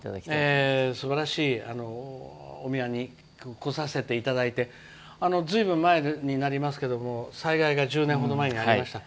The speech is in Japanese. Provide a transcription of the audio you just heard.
すばらしいお宮に来させていただいてずいぶん前になりますけど災害が１０年ほど前にありました。